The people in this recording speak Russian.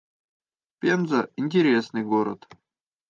Пенза — интересный город